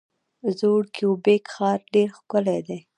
زوړ کیوبیک ښار ډیر ښکلی دی.